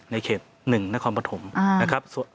ในเขตหนึ่งในความประถมนะครับ